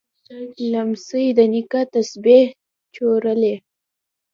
لمسی د نیکه تسبیح چورلي.